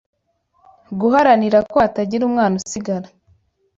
Guharanira ko hatagira umwana usigara